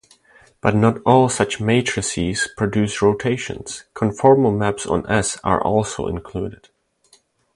But not all such matrices produce rotations: conformal maps on S are also included.